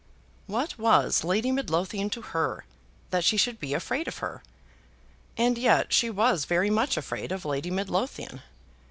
What was Lady Midlothian to her that she should be afraid of her? And yet she was very much afraid of Lady Midlothian.